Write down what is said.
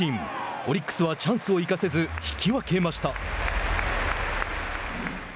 オリックスはチャンスを生かせず引き分けました。